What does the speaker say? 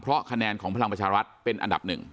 เพราะคะแนนของพลังประชารัฐเป็นอันดับหนึ่ง